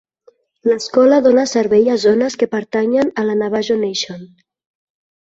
L'escola dona servei a zones que pertanyen a la Navajo Nation.